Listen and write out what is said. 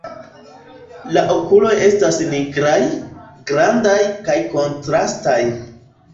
La okuloj estas nigraj, grandaj kaj kontrastaj.